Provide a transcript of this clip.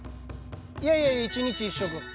いやいや１日１食。